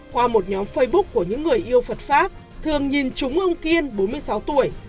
qua một nhóm facebook của những người yêu phật pháp thường nhìn trúng ông kiên bốn mươi sáu tuổi